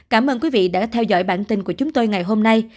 cảm ơn quý vị đã theo dõi bản tin của chúng tôi ngày hôm nay